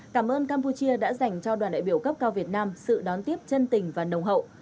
cảm ơn campuchia đã dành cho đoàn đại biểu cấp cao việt nam sự đón tiếp chân tình và nồng hậu